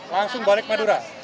langsung balik madura